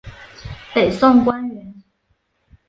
北宋官员。